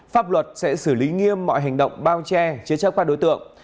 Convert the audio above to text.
pháp luật sẽ xử lý nghiêm mọi hành động bao che chế chấp khoa đối tượng